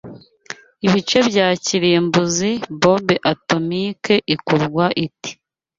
Ibice bya kirimbuzi Bombe atomike ikorwa ite